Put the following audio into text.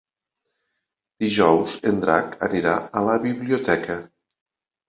Dijous en Drac anirà a la biblioteca.